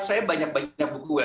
saya punya banyak banyak buku ya